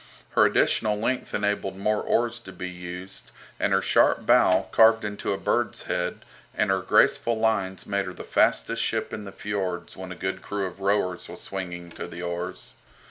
Her additional length enabled more oars to be used, and her sharp bow, carved into a bird's head, and her graceful lines made her the fastest ship in the fiords when a good crew of rowers was swinging to the oars.